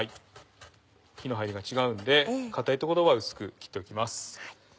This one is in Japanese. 火の入りが違うんで硬い所は薄く切っておきます。